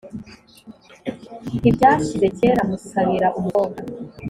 Ntibyashyize kera, Musabira umukobwa